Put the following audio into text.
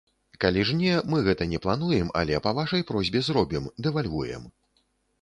Калі ж не, мы гэта не плануем, але па вашай просьбе зробім, дэвальвуем.